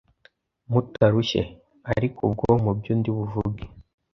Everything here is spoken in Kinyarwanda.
mutarushye. ariko ubwo mubyo ndibuvuge